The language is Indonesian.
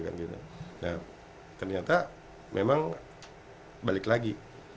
nah ternyata memang balik lagi